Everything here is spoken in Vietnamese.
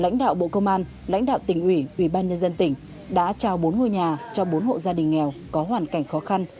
hộ gia đình nghèo có hoàn cảnh khó khăn